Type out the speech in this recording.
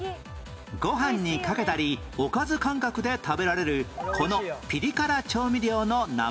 ご飯にかけたりおかず感覚で食べられるこのピリ辛調味料の名前は？